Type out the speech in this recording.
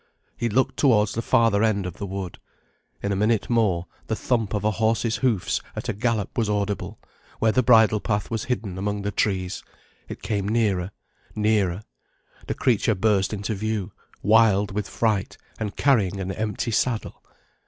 He looked towards the farther end of the wood. In a minute more, the thump of a horse's hoofs at a gallop was audible, where the bridlepath was hidden among the trees. It came nearer nearer the creature burst into view, wild with fright, and carrying an empty saddle.